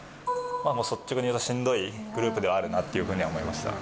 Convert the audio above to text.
率直に言うとしんどいグループではあるなというふうに思いました。